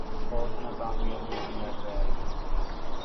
خوف ناکامئ امید ہے فیضؔ